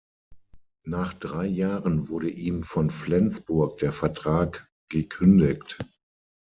Nach drei Jahren wurde ihm von Flensburg der Vertrag gekündigt.